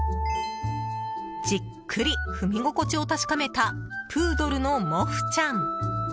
じっくり踏み心地を確かめたプードルのモフちゃん。